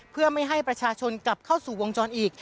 เพื่อไม่ให้ประชาชนกลับเข้าสู่วงจรอีก